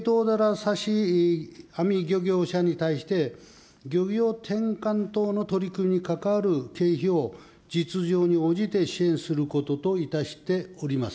刺し網漁業者に対して、漁業転換等の取り組みに関わる経費を実情に応じて支援することといたしております。